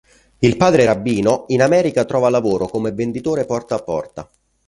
Il padre rabbino, in America trova lavoro come venditore porta a porta.